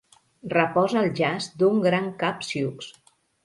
Reposa al jaç d'un gran cap sioux.